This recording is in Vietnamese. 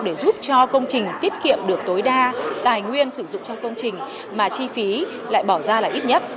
để giúp cho công trình tiết kiệm được tối đa tài nguyên sử dụng trong công trình mà chi phí lại bỏ ra là ít nhất